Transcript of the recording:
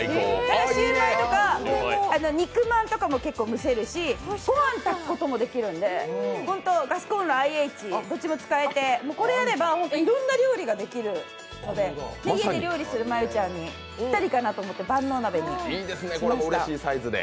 シューマイとか肉まんとかも蒸せるし御飯炊くこともできるのでガスコンロ、ＩＨ、どっちも使えて、これはいろんな料理ができるので、家で料理をする真悠ちゃんにぴったりかと思って万能鍋にしました。